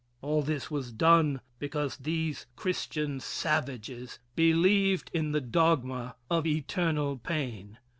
All this was done because these Christian savages believed in the dogma of eternal pain.